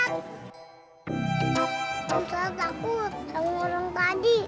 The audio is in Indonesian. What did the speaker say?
om sangat takut sama orang tadi